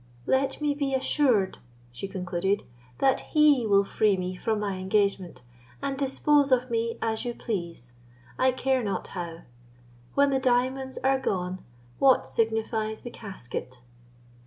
Let me be assured," she concluded, "that he will free me from my engagement, and dispose of me as you please, I care not how. When the diamonds are gone, what signifies the casket?"